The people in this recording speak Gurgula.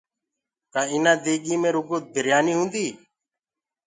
ڪآ آنآ ديگي مي رگو بريآني هوندي